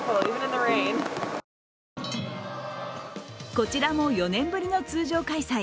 こちらも４年ぶりの通常開催